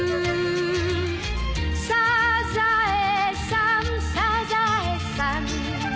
「サザエさんサザエさん」